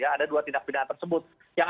ada dua tindak pidana tersebut yang